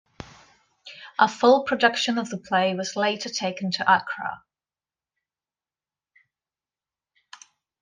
A full production of the play was later taken to Accra.